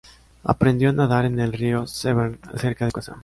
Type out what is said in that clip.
Aprendió a nadar en el Río Severn cerca de su casa.